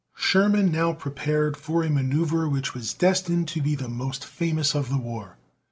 Sherman now prepared for a manoeuvre which was destined to be the most famous of the war.